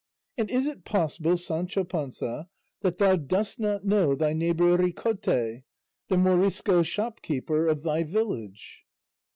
and is it possible, Sancho Panza, that thou dost not know thy neighbour Ricote, the Morisco shopkeeper of thy village?"